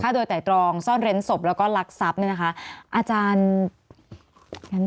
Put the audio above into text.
โดยไตรตรองซ่อนเร้นศพแล้วก็ลักทรัพย์เนี่ยนะคะอาจารย์